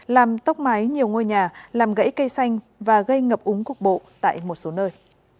làm tốc mái nhiều ngôi nhà làm gãy cây xanh và gây ngập úng cục bộ tại một số nơi